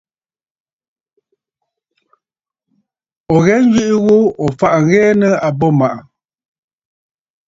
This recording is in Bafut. Ò ghɛ nyweʼe ghu, ò faʼà ŋ̀ghɛɛ nɨ̂ àbô màʼà.